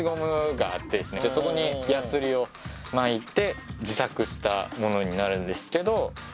そこにやすりを巻いて自作したものになるんですけど。